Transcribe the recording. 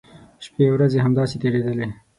شپی او ورځې همداسې تېریدلې.